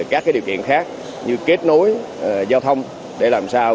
các điều kiện khác như kết nối giao thông để làm sao